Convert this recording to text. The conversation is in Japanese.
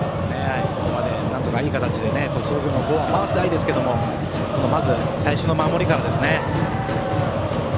そこまで、なんとかいい形で、鳥栖工業の方は回したいですけど最初の守りからですよね